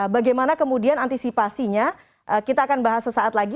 bagaimana kemudian antisipasinya kita akan bahas sesaat lagi